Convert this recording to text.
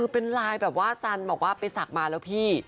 เป็นลายแบบว่าสันบอกว่าไปสักมาแล้วพี่